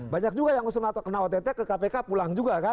banyak juga yang kena ott ke kpk pulang juga kan